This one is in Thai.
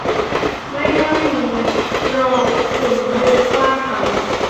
ไม่น่ามี รอขุนลุงฟ่าทำ